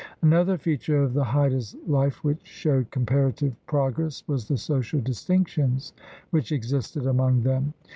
Another feature of the Haidas' life which showed comparative progress was the social distinctions which existed among them.